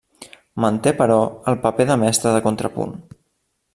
Manté, però, el paper de mestre de contrapunt.